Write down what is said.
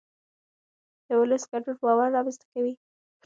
د ولس ګډون باور رامنځته کوي